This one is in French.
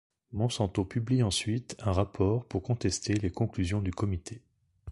Monsanto publie ensuite un rapport pour contester les conclusions du comité.